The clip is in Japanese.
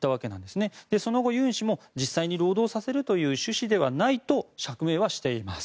その後、ユン氏も実際に労働させるという趣旨ではないと釈明はしています。